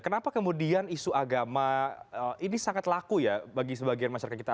kenapa kemudian isu agama ini sangat laku ya bagi sebagian masyarakat kita